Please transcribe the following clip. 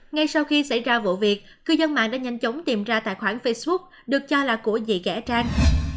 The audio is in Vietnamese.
ngay sau khi xảy ra vụ việc cư dân mạng đã nhanh chóng tìm ra tài khoản facebook được cho là của dị kẻ trang